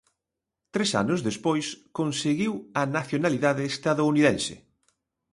Tres anos despois conseguiu a nacionalidade estadounidense.